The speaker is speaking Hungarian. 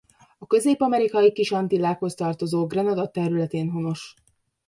A Közép-Amerikai Kis-Antillákhoz tartozó Grenada területén honos.